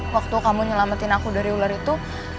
waktu kamu nyelamatin aku dari ular itu